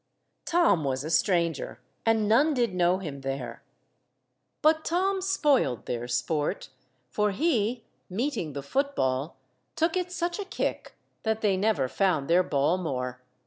Tom was a stranger, and none did know him there. But Tom spoiled their sport, for he, meeting the football, took it such a kick, that they never found their ball more.